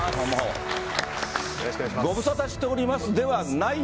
ご無沙汰しておりますではない？